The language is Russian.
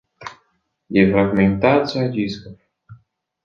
Дефрагментация дисков